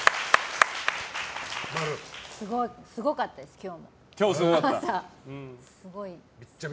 すごかったです、今日の朝も。